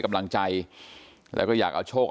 แม่น้องชมพู่แม่น้องชมพู่